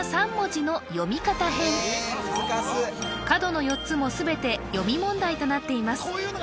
角の４つも全て読み問題となっています